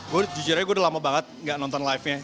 gue jujurnya gue udah lama banget gak nonton live nya